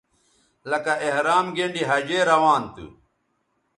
لکہ احرام گینڈی حجے روان تھو